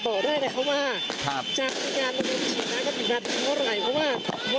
ดอดได้นะครับว่า